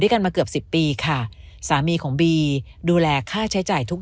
กันมาเกือบสิบปีค่ะสามีของบีดูแลค่าใช้จ่ายทุก